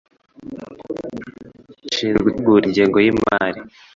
Ashinzwe gutegura ingengo y’imari,